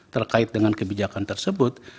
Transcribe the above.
terkait dengan kebijakan tersebut